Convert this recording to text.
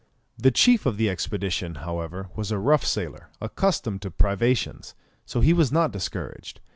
The chief of the expedition, however, was a rough sailor, accustomed to privations, so he was not discouraged.